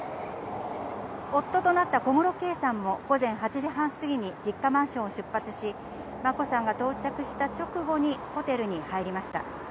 夫となった小室圭さんも午前８時半過ぎに実家マンションを出発し、眞子さんが到着した直後にホテルに入りました。